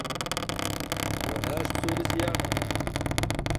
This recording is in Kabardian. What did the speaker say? Уэращ псори зи ягъэр!